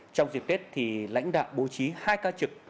trong dịp tết thì lãnh đạo bố trí hai ca trực